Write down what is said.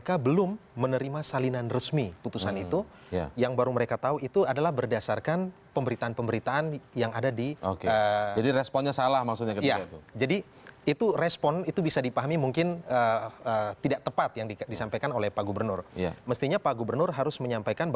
kemungkinan mungkin lebih banyak orang yang diberes